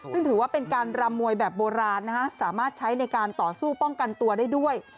ซึ่งถือว่าเป็นการรำมวยแบบโบราณนะฮะสามารถใช้ในการต่อสู้ป้องกันตัวได้ด้วย